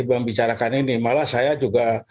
membicarakan ini malah saya juga